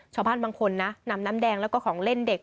ชาวบ้านบางคนนะนำน้ำแดงแล้วก็ของเล่นเด็ก